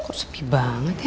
kok sepi banget ya